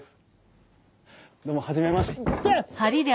どうも初めましていてっ！